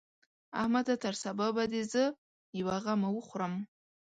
احمده! تر سبا به دې زه يوه غمه وخورم.